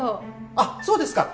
あっそうですか！